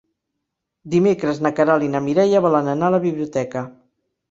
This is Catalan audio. Dimecres na Queralt i na Mireia volen anar a la biblioteca.